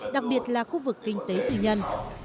đặc biệt là khu vực kinh tế tự nhân